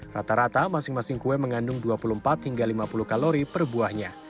rata rata masing masing kue mengandung dua puluh empat hingga lima puluh kalori per buahnya